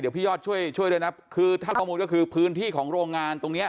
เดี๋ยวพี่ยอดช่วยช่วยด้วยนะคือถ้าประมูลก็คือพื้นที่ของโรงงานตรงเนี้ย